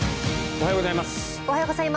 おはようございます。